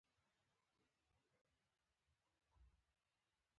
• د کنفوسیوس فرهنګ د چینایانو د ژوند یو اړخ وګرځېد.